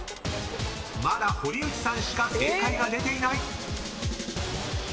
［まだ堀内さんしか正解が出ていない！］